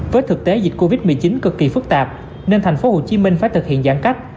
với thực tế dịch covid một mươi chín cực kỳ phức tạp nên thành phố hồ chí minh phải thực hiện giãn cách